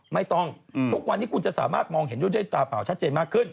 ไม่ต้องทุกวันที่คุณจะสามารถ่งได้มองเห็นด้วยตาเปล่าชัดเจนมากขึ้น